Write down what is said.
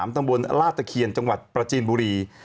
ตำบลลาดตะเคียนจังหวัดประจีนบุรี